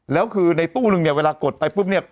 แล้วคือในตู้นึงเนี่ยเวลากดไปปุ๊บเนี่ย